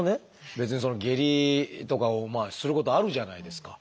別にその下痢とかをすることあるじゃないですか。